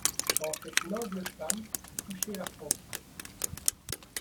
Quand cette noble femme eut touché la frontière